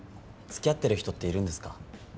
付き合ってる人っているんですか？